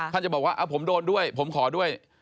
จะบอกว่าผมโดนด้วยผมขอด้วย